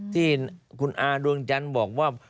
ที่คุณอาดวงจันทร์บอกว่า